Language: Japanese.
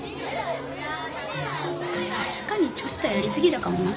たしかにちょっとやりすぎたかもな。